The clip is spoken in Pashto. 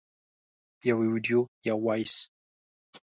- یو ویډیو یا Voice 🎧